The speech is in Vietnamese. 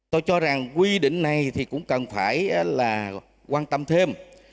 tôi cho rằng quy định này thì cũng cần phải là quan tâm thêm